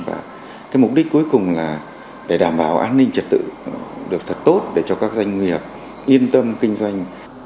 và cái mục đích cuối cùng là để đảm bảo an ninh trật tự được thật tốt để cho các doanh nghiệp yên tâm kinh doanh